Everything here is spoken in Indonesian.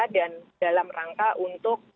dan dalam rangka untuk